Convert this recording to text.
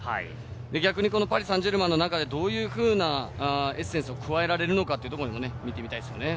逆にパリ・サンジェルマンの中でどういうふうなエッセンスを加えられるのか？というところにも見てみたいですね。